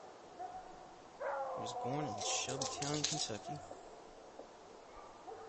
He was born in Shelby County, Kentucky.